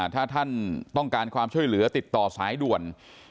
ถ้าท่านต้องการความช่วยเหลือติดต่อสายด่วน